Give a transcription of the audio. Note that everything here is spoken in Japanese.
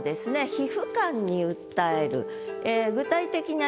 皮膚感に訴える。